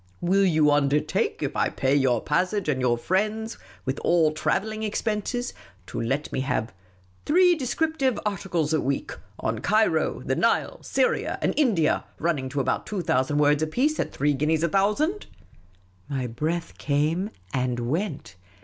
Will you undertake, if I pay your passage, and your friend's, with all travelling expenses, to let me have three d^scn^'.l /•: articles a week, on Cairo, the Nile, Syria, and India, running to about two thousand words apiece, at three guineas a thousand ?'' 1 82 Miss Cayley's Adventures My breath came and went.